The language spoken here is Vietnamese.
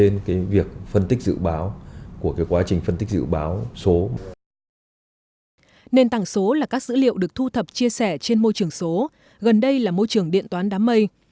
nền tảng số là các dữ liệu được thu thập chia sẻ trên môi trường số gần đây là môi trường điện toán đám mây